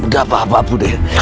gak apa apa bu